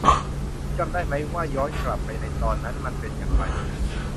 คุณจำได้มั้ยว่าย้อนกลับไปในตอนนั้นมันเป็นอย่างไร